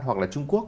hoặc là trung quốc